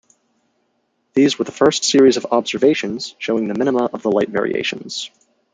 These were the first series of observations showing the minima of the light variations.